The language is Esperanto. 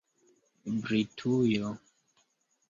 britujo